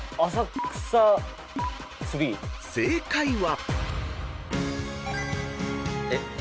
［正解は］